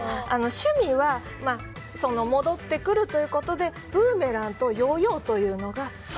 趣味は戻ってくるということでブーメランとヨーヨーというのが。